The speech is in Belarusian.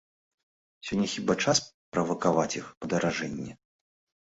Сёння хіба час правакаваць іх падаражанне?